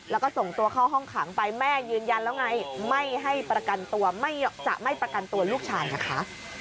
แล้วก็ส่งตัวเข้าห้องขังไปแม่ยืนยันแล้วไงไม่ให้ประกันตัวจะไม่ประกันตัวลูกชายนะคะ